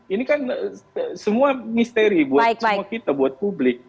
ini kan semua misteri buat semua kita buat publik